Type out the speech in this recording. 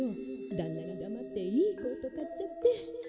だんなにだまっていいコート買っちゃって。